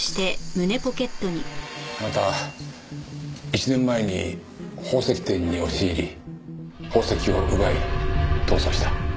あなた１年前に宝石店に押し入り宝石を奪い逃走した。